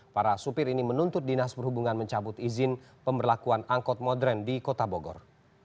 para supir ini menuntut dinas perhubungan mencabut izin pemberlakuan angkot modern di kota bogor